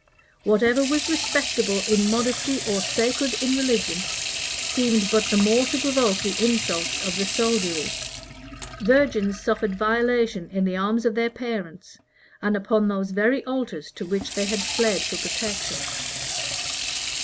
[*] Whatever was respectable in modesty or sacred in religion, seemed but the more to provoke the insults of the soldiery. Virgins suffered violation in the arms of their parents, and upon those very altars to which they had fled for protection.